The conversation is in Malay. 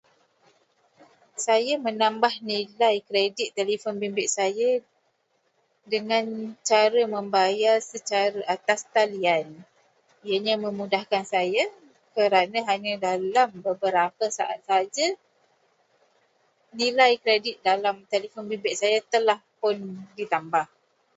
Saya menambah nilai kredit telefon bimbit saya dengan cara membayar dengan cara atas talian. Ia memudahkan saya kerana dalam beberapa saat saja, nilai kredit dalam telefon bimbit saya telah pun ditambah.